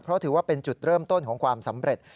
เพราะถือว่าเป็นจุดเริ่มต้นของความสำเร็จ